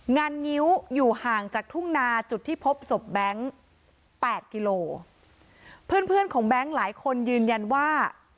งิ้วอยู่ห่างจากทุ่งนาจุดที่พบศพแบงค์แปดกิโลเพื่อนเพื่อนของแบงค์หลายคนยืนยันว่า